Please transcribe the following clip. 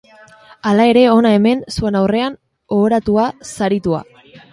Hala ere, hona hemen, zuen aurrean, ohoratua, saritua.